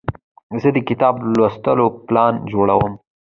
زه د کتاب لوستلو پلان جوړوم.